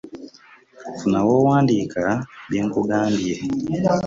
Funa w'owandiika bye nkugamba.